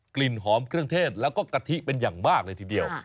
กลิ่นหอมเครื่องเทศแล้วก็กะทิเป็นอย่างมากเลยทีเดียว